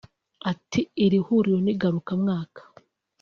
Ati “Iri huriro ni ngarukamwaka